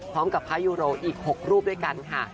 พร้อมกับพระยูโรอีก๖รูปด้วยกันค่ะ